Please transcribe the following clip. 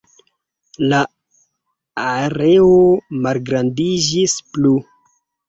La areo malgrandiĝis plu.